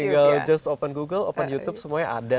google just open google open youtube semuanya ada